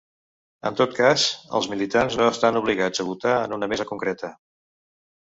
En tot cas, els militants no estan obligats a votar en una mesa concreta.